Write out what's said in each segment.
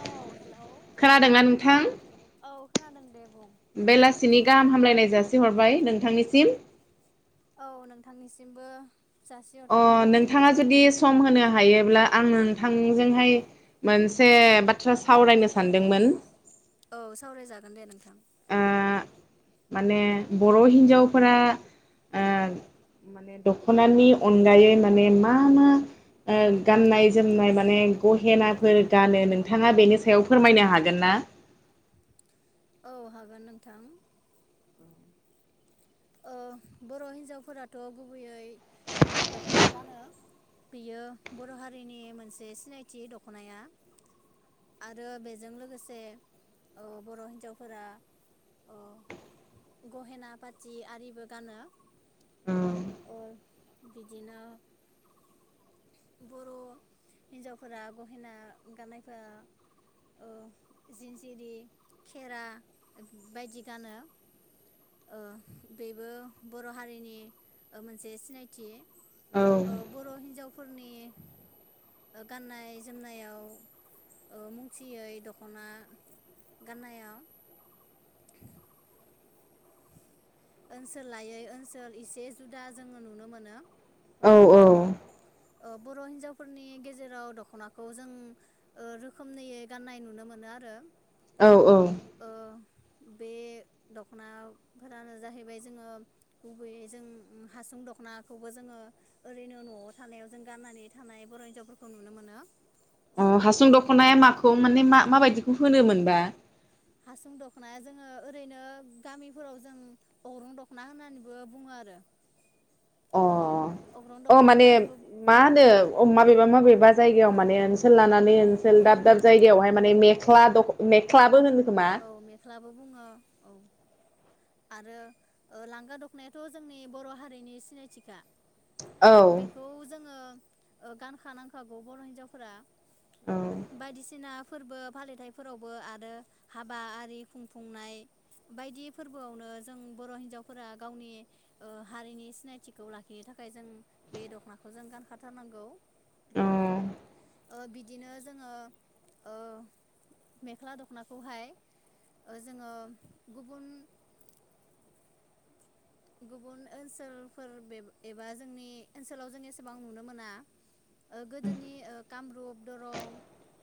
औ हेलौ औ खोनादोंना नोंथां? खोनादों दे बुं बेलासिनि गाहाम हामलायनाय जासि हरबाय नोंथांनिसिम। औ नोंथांनिसिमबो अ जासिहरफिननाय थाबाय। नोंथाङा जुदि सम होनो हायोब्ला आं नोंथांजोंहाय मोनसे बाथ्रा सावरायनो सानदोंमोन? औ सावरायजागोन दे नोंथां। ओ माने बर' हिनजावफोरा ओ माने दख'नानि अनगायै माने मा मा ओ गाननाय जोमनाय माने गहेनाफोर गानो नोंथाङा बेनि सायाव फोरमायनो हागोन ना? औ हागोन नोंथां। ओ बर' हिन्जावफोराथ' गुबैयै ओ दख'ना गानो बियो बर' हारिनि मोनसे सिनायथि दख'नाया आरो बेजों लोगोसे ओ बर' हिन्जावफोरा ओ गहेना पा थि आरिबो गानो ओ बिदिनो बर' हिन्जावफोरा गहेना गाननायफोरा ओ जिन जिरि, खेरा बायदि गानो। ओ बेबो बर' हारिनि मोनसे सिनायथि औ ओ बर' हिन्जाव फोरनि ओ गाननाय जोमनायाव ओ मुंथियै दख'ना गाननायाव ओनसोल लायै ओनसोल एसे जुदा जोङो नुनो मोनो। औ औ ओ बर हिन्जावफोरनि गेजेराव दखनाखौ जों ओ रोखोमनैै गाननाय नुनो मोनो आरो औ औ ओ बे दखनाफोरानो जाहैबाय जोङो गुबैयै जों हासुं दखनाखौबो जोङो ओरैनो नआव थानायाव जों गाननानै थानाय बर' हिन्जावफोरखौ नुनो मोनो। अ हासुं दख'नाया माखौ माने मा माबायदिखौ होनोमोनबा? हासुं दखनाया जोङो ओरैनो गामिफोराव जों अग्रं दख'ना होननानैबो बुङो आरो अ अग्रं अ दख'ना माने होननानैबो मा होनो अ माबेबा माबेबा जायगायाव माने ओनसोल लानानै औ ओनसोल गुबुन दाब गुबुन दाब बुङो औ जायगायावहाय माने मेख्ला दख मेख ख्लाबो हो औ मेख्ला बुङो औ आरो लांगा दख'नायाथ जोंनि बर' हारिनि सिनायथिखा। औ बेखौ जोङो ओ गानखानांखागौ बर' हिन्जावफोरा औ बायदिसिना फोरबो फालिथायफोरावबो आरो हाबा आरि खुंफुंनाय बायदि फोरबोआवनो जों बर' हिनजावफोरा गावनि ओ हारिनि सिनायथिखौ लाखिनो थाखाय जों बे दख'नाखौ जों गानखाथारनांगौ। औ ओ बिदिनो जोङो ओ मेख्ला दख'ना खौहाय ओ जोङो गुबुन गुबुन ओनसोलफोर बे एबा जोंनि ओनसोलाव जों एसेबां नुनो मोना ओ गोदोनि ओ कामरुप दरं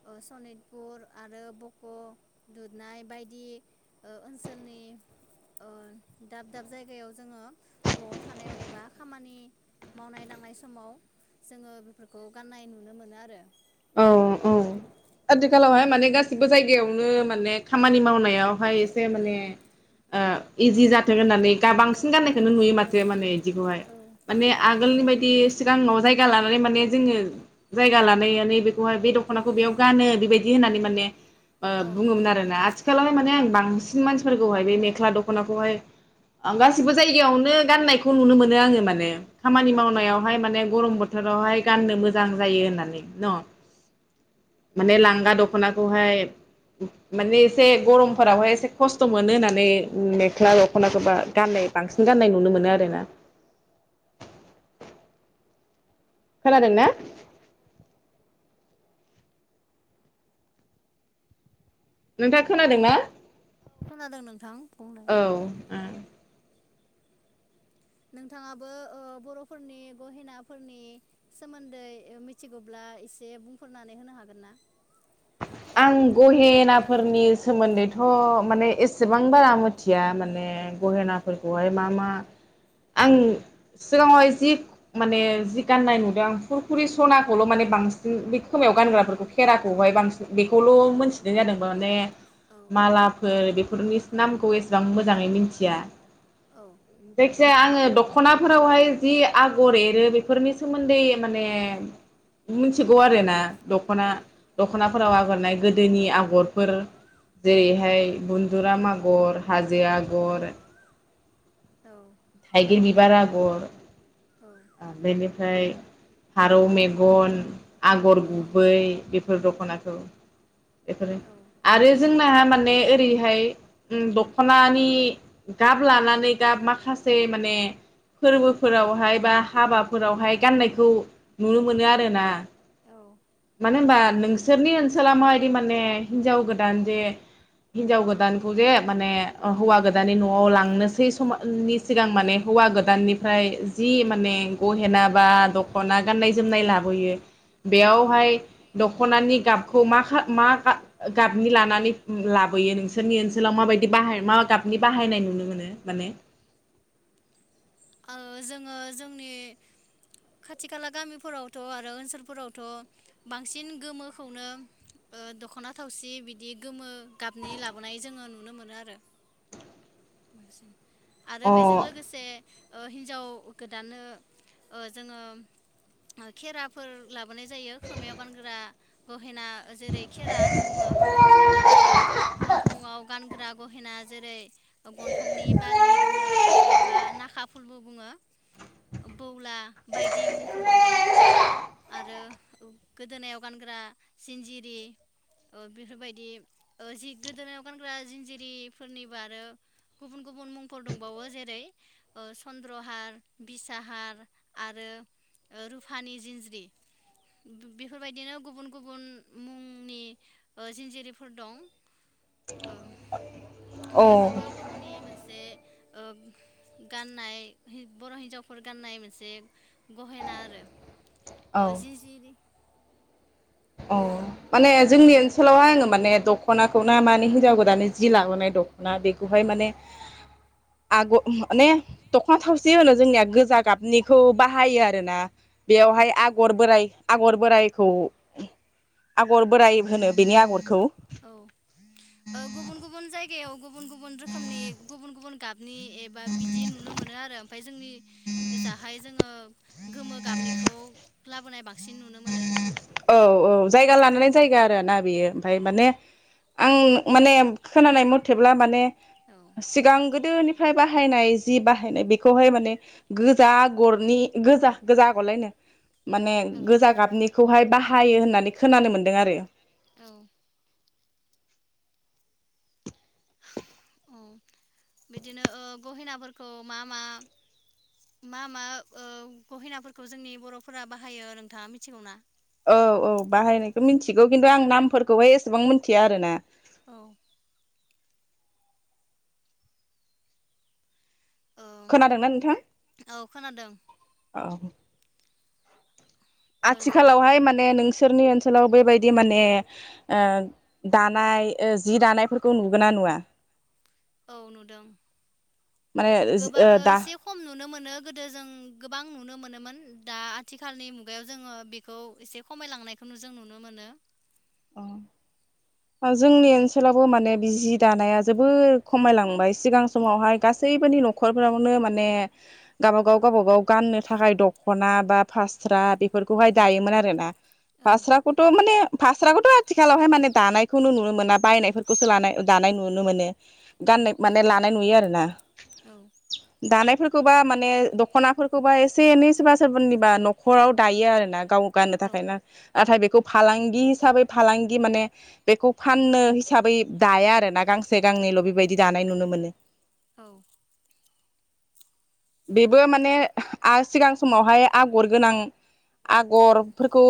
ओ सनितपुर आरो बक' दुरनाय बायदि ओ ओनसोलनि ओ दाब दाब जायगायाव जोङो न'आव थानायाव एबा खामानि मावनाय दांनाय समाव जोङो बेफोरखौ गाननाय नुनो मोनो आरो। औ औ आथिखालावहाय माने गासिबो जायगायावनो माने खामानि मावनायाव हाय एसे औ माने ओं इजि जाथों होननानै दा औ बांसिन गाननायखौनो नुयो इजि औ माथो माने इदिखौहाय औ मान आगोलनि बायदि सिगां न आव जायगा लानानै माने जोङो जायगा लानायानो बेहाय बे दखनाखौ बेयाव गानो बेबायदि होननानै माने ओ औ बुंङोमोन आरो ना आथिखालावहाय माने आं बां बांसिन मानसिफोरखौहाय बे मेखला दखनाखौहाय गासिबो जायगायावनो गाननाय खौ नुनो मोनो आङो माने खामानि मावनायावहाय माने गरम बोथोरावहाय गाननो मोजां जायो होननानै न माने लांगा दखनाखौहाय माने एसे गरमफोरावहाय एसे खस्थ मोनो होननानै मेख्ला दखनाखौ बा गाननाय बांसिन गाननाय नुनो मोनो आरोना खोनादों ना नोंथाङा खोनादोंना खोनादों औ खोनादों नोंथां बुंनाय औ नोंथाङाबो ओ बरफोरनि गहेनाफोरनि सोमोन्दै मिथिगौब्ला एसे बुंफोरनानै होनो हागोन ना आं गहेनाफोरनि सोमोन्दैथ माने एसेबां बारा मिथिया मोन औ गहेनाफोरखौ हाय मा मा आं सिगाङावहाय जि माने जि गाननाय नुदों फुरफुरि सनाखौल माने बांसिन बे खोमायाव गानग्राफोरखौ खेराखौहाय बांसिन बेखौल मोनथिनाय जादों माने औ मालाफोर बे बेफोरनि नामखौ एसेबां मोजाङै मिथिया औ जायखि जाया आं दखनाफोरावहाय जि आगर एरो बेफोरनि सोमोन्दै माने मिथिगौ आरोना दखना औ दख दखनाफोराव आगरनाय गोदोनि आगरफोर जेरैहाय बुनन्दुराम आगर हाजो आगर औ थाइगिर बिबार आगर औ बेनिफ्राय फारौ मेगन आगर औ गुबै बेफोर दख दखनाखौ बेफोरो औ आरो जोंना माने हाय दखनानि गाब लानानै गाब माखासे गासै माने फोरबोफोरावहाय बा हाबाफोरावहाय गाननायखौ नुनो मोनो आरोना औ मानो होनबा नोंसोरनि ओनसोला माबायदि माने हिनजाव गोदान जे हिनजाव गोदानखौ जे माने हौवा गोदाननि नआव लांनोसै समनि सिगां माने हौवा गोदाननिफ्राय जि औ माने ओ गहेना बा दख खना गाननाय जोमनाय लाबोयो बेयावहाय दखनानि गाबखौ मा माखा मा गाबनि लानानै लाबोयो नोंसोरनि ओनसोलाव माबायदि बाहाय मा गाबनि बाहायनाय नुनो मोनो माने आंङो जोंङो जोंनि खाथि खाला गामिफोरावथ आरो ओनसोलफोरावथ बांसिन गोमोखौनो ओ दखना थावसि बिदि गोमो गाबनि लाबोनाय जोंङो नुनो मोनो आरो। बांसिन आरो अ बेजों लोगोसे ओ हिन्जाव गोदानानो ओ जोंङो खेराफोर लाबोनाय जायो खोमायाव गानग्रा गहेना जेरै खेरा बुंङो आरो गन्थंआव गानग्रा गहेना जेरै गन्थंनि बालि बुङो एबा ना खाफुलबो बुङो बौला बायदि मुंफोरबो दं आरो गोदोनायाव गानग्रा जिन्जिरि बेफोरबायदि जि गोदोनायाव गानग्रा जिन्जिरिफोरनिबो आरो गुबुन गुबुन मुंफोर दंबावो जेरै ओ चन्द्रहार बिसाहार आरो रुफानि जिन्ज्रि बेफोरबायदिनो गुबुन गुबुन मुंनि ओ जिन्जिरिफोर दं। ओ औ बेफोरबो बर'नि मोन से ओ गाननाय बर' हिन्जावफोर गान्नाय मोनसे गहेना आरो। ओ जिजिरि अ माने जोंनि ओनसोलावहाय आङो माने दखनाखौ ना माने हिनजाव गोदान जि लाबोनाय दख ना बेखौहाय औ माने आग माने दखना थावसि होनो जोंनिया गोजा गाबनिखौ बाहायो आरोना। औ बेवहाय आगर बोराइ आगर बोराइखौ आगर बोराइ होनो बेनि आगरखौ औ ओ गुबुन गुबुन जायगायाव गुबुन गुबुन रोखोमनि गुबुन गुबुन गाब नि एबा बिदि नुनो मोनो आरो ओमफाय जोंनि ओजाहाय जोङो गोमो गाबनिखौ लाबोनाय बांसिन नुनो मोनो। औ औ जायगा लानानै जायगा आरो ना बेयो। ओमफाय माने आं माने खोनानाय मथेब्ला माने औ सिगांगोद दोनिफ्राय बाहायनाय जि बाहायनाय बेखौहाय माने गोजा आगरनि गोजा गोजा आगरलायनो माने औ गोजा गाबनि बाहायो होननानै खोनानो मोन्दों आरो। औ। औ बिदिनो ओ गहेनाफोरखौ मा मा मा मा ओ गहेनाफोरखौ जोंनि बर'फोरा बाहायो नोंथाङा मिथिगौना? औ औ बाहायनायखौ मिथिगौ खिन्थु आं नामफोरखौहाय एसेबां मिथिया आरो ना। औ खोनादोंना नोंथां? औ खोनादों औ। ओ आथिखालावहाय माने नोंसि सोरनि ओनसोलाव बेबायदि माने ओ दानाय ओ जि दानायफोरखौ नुगोना नुआ? औ नुदों। माने ओज ओ दा नो गोदो जों गोबां नुनो मोनोमोन दा आथिखालनि मुगायाव जोङो बे अ जोंनि ओनसोलावबो माने बि जि दानाया जोबोर खमायलांबाय सिगां समावहाय गासैबोनि न'खरफोरावनो माने गावबागाव गावबागाव गाननो थाखाय दखना बा फास्रा दायोमोन आरोना औ फास्राखौथ माने फा फस्राखौथ‌ आथिखालावहाय माने दानायखौनो नुनो मोना बायनायफोरखौसो लानाय दानाय नुनो मोनो औ गाननाय माने लानाय नुयो आरोना औ दानायफोरखौबा माने दखनाफोरखौबा एसे एनै सोरबा सोरनिबा नखराव दायो आरोना गाव गाननो औ थाखाय ना नाथाय बेखौ फालांगि हिसाबै फालांगि माने बेखौ फाननो हिसाबै दाया आरो ना गांसे गांनैल बेबायदि दानाय नुनो मोनो औ बेबो माने आ सिगां समावहाय आगर गोनां औ आगरफोरखौ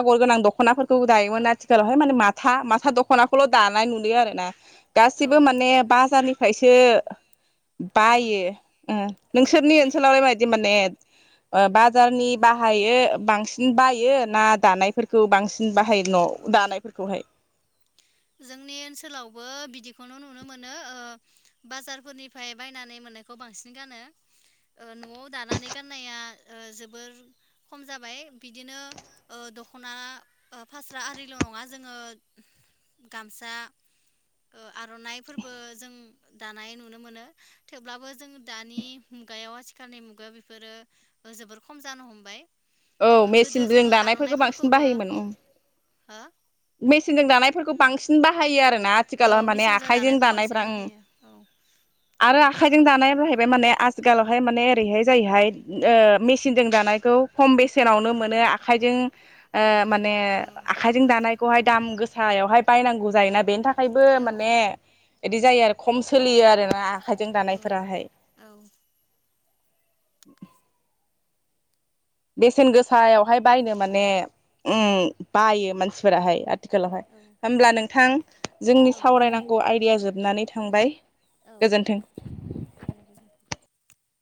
आगर गोनां दखनाफोरखौ दायोमोन आथिखालावहाय माने माथा माथा दख'नाखौल दानाय नुयो आरो ना गासिबो माने बाजारनि फायसो औ बायो ओ औ नोंसोरनि ओनसोलाव ओबायदि माने ओ बाजारनि बाहायो बांसिन बायो ना दानायफोरखौ बांसिन बाहायो? न'आव दानायफोरखौहाय। जोंनि ओनसोलावबो बिदिखौनो नुनो मोनो ओ बाजारफोरनिफ्राय बायनानै मोननायखौ बांसिन गानो ओ नआव दानानै गाननाया ओ जोबोर खम जाबाय बिदिनो ओ दखना ओ फास्रा आरिल नङा जोङो गामसा ओ आरनाइफोरबो जों दानाय नुनो मोनो थेवब्लाबो जों दानि मुगायाव आथिखालनि मुगायाव बेफोरो जोबोर खम जानो हमबाय। औ ओ गोदो मेचिन जों जोङो दानायफोरफोरखौ बांसिन आर'नाइफोरखौबो बाहायोमोन अ हो? मेसिनजों दानायफोरखौ बांसिन बाहायो आरो ना आथिखालाव औ माने मिसिंजों आखाइजों दानायखौ बांसिन दानायफ्रा ओं बाहायो औ आरो औ आखाइजों दानाया जाहैबाय माने आ आथिखालावहाय माने ओरैहाय जायोहाय ओ मेचिनजों दानायखौ खम बेसेनावनो मोनो आखाइजों ओ माने औ आखाइजों दानाय खौहाय दाम गोसायावहाय बायनांगौ जायोना बेनि थाखाय फायबो औ माने बिदि जायो आरो खम सोलियो आरोना आखायजों दानायफोराहाय [inaudible] औ बेसेन गोसायावहाय बायनो माने उम बायो मानसिफोराहाय आथिखालावहाय होमब्ला नोंथां जोंनि औ सावरायनांगौ आयदाया जोब जोबनानै थांबाय। औ गोजोन्थों। दे गोजोनथों